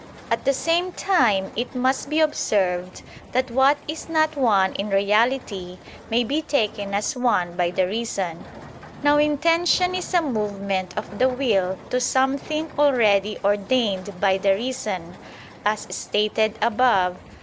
At the same time it must be observed that what is not one in reality may be taken as one by the reason. Now intention is a movement of the will to something already ordained by the reason, as stated above (A.